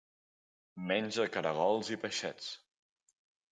Menja caragols i peixets.